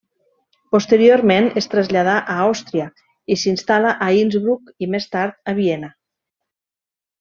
Posteriorment es traslladà a Àustria i s'instal·la a Innsbruck i, més tard, a Viena.